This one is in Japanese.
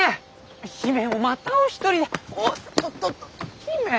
姫またお一人でおっとっと姫！